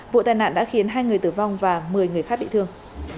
vụ tai nạn đã khiến hai người tử vong và một mươi người khác bị thương